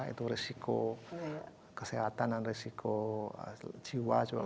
itu risiko kesehatan dan risiko jiwa juga akan